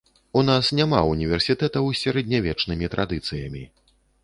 У нас няма ўніверсітэтаў з сярэднявечнымі традыцыямі.